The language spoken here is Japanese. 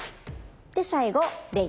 で最後礼。